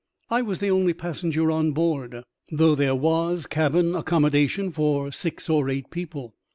I was the only passenger on board, though there was cabin accommodation for six or eight people.